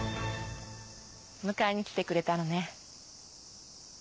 迎えに来てくれたのね？